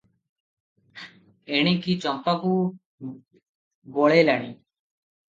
ଏଣିକି ଚମ୍ପାକୁ ବଳେଇଲାଣି ।